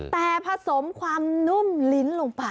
แต่ผสมความนุ่มลิ้นลงไป